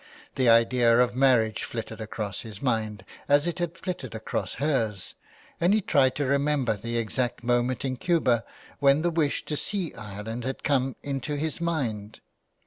The idea of marriage flitted across his mind as it had flitted across hers, and he tried to re member the exact moment in Cuba when the wish to 312 THE WILD GOOSE. see Ireland had come into his mind.